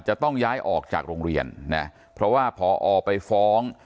จะต้องย้ายออกจากโรงเรียนนะเพราะว่าพอไปฟ้อง